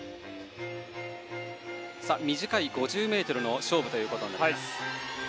短い５０ｍの勝負ということになります。